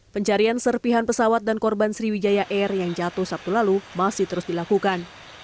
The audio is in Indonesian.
pencarian serpihan pesawat dan korban sriwijaya air yang jatuh sabtu lalu masih terus dilakukan